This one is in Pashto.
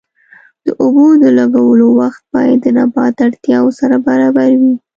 د اوبو د لګولو وخت باید د نبات اړتیاوو سره برابر وي.